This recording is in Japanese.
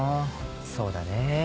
そうだね。